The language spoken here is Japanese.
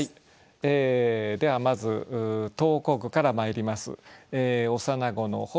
えではまず投稿句からまいります。